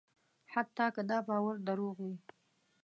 حتی که دا باور دروغ وي.